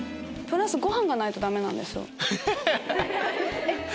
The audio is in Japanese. プラスご飯がないとダメなんですよ。